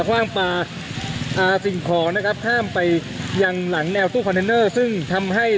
ทางกลุ่มมวลชนทะลุฟ้าทางกลุ่มมวลชนทะลุฟ้า